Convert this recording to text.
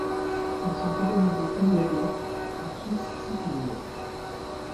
Ils sont organisés annuellement par Swiss Cycling.